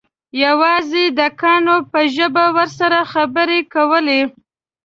یوازې د کاڼو په ژبه ورسره خبرې کولې.